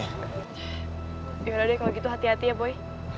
yaudah deh kalau gitu hati hati ya boy